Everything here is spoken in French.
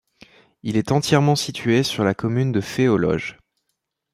Il est entièrement situé sur la commune de Fay-aux-Loges.